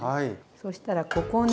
そしたらここをね